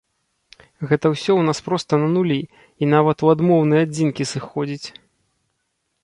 Гэта ўсё ў нас проста на нулі, і нават у адмоўныя адзінкі сыходзіць.